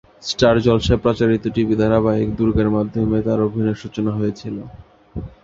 Star জলসায় প্রচারিত TV ধারাবাহিক দুর্গার মাধ্যমে তার অভিনয়ের সূচনা হয়েছিল।